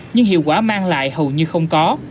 nhưng hiệu quả mang lại hầu như không có